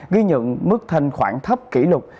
ghi nhận mức thanh khoản thấp kỷ lục